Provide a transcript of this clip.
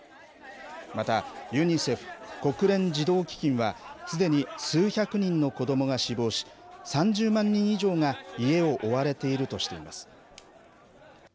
またＵＮＩＣＥＦ、国連児童基金はすでに数百人の子どもが死亡し３０万人以上が家を追われているとしています。